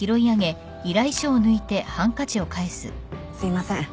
すいません。